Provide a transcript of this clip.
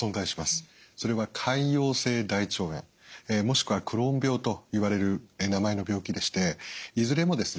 それは潰瘍性大腸炎もしくはクローン病といわれる名前の病気でしていずれもですね